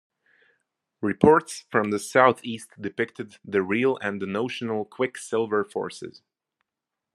Reports from the southeast depicted the real and the notional Quicksilver forces.